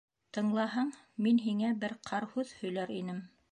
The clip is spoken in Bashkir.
Тыңлаһаң, мин һиңә бер ҡарһүҙ һөйләр инем.